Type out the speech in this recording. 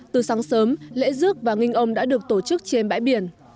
từ sáng sớm lễ rước và nghinh ong đã được tổ chức trên bãi biển